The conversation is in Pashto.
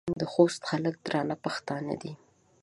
د خوست خلک درانه پښتانه دي.